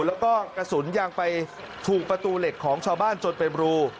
แล้วก็กระสุนยังไปถูกประตูเหล็กของชาวบ้านจนเป็นรู